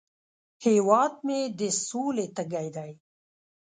هیواد مې د سولې تږی دی